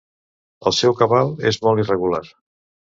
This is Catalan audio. El seu cabal és molt irregular.